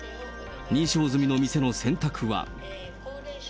認証済みの店の選択は。